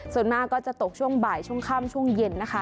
ส่วนมากก็จะตกช่วงบ่ายช่วงค่ำช่วงเย็นนะคะ